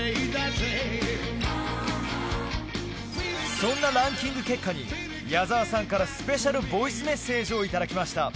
そんなランキング結果に、矢沢さんからスペシャルボイスメッセージを頂きました。